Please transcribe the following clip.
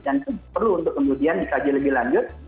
dan itu perlu untuk kemudian dikaji lebih lanjut